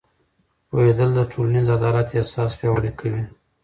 پوهېدل د ټولنیز عدالت احساس پیاوړی کوي.